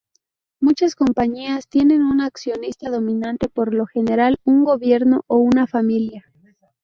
Muchas compañías tienen un accionista dominante, por lo general, un gobierno o una familia.